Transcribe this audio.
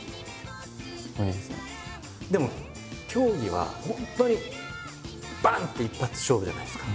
でも競技は本当にバン！って一発勝負じゃないですか。